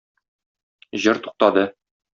Җыр туктады.